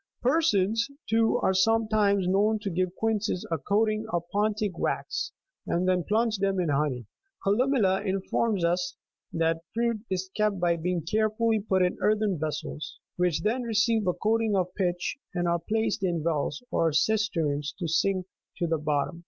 Persons, too, are sometimes known to give quinces a coating of Pontic 8 wax, and then plunge them in honey. Columella39 informs us, that fruit is kept by being carefully put in earthen vessels, which then receive a coating of pitch, and are placed in wells or cisterns to sink to the bottom.